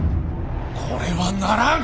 これはならん。